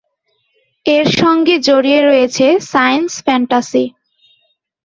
এর সঙ্গে জড়িয়ে রয়েছে সায়েন্স ফ্যান্টাসি।